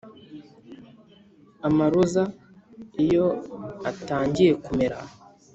amaroza iyo atangiye kumera.